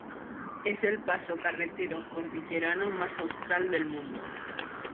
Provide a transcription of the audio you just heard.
Es el paso carretero cordillerano más austral del mundo.